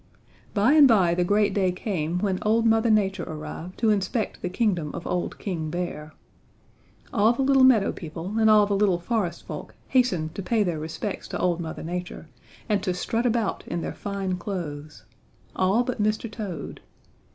"By and by the great day came when old Mother Nature arrived to inspect the kingdom of old King Bear. All the little meadow people and all the little forest folk hastened to pay their respects to old Mother Nature and to strut about in their fine clothes all but Mr. Toad.